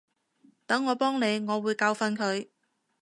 等我幫你，我會教訓佢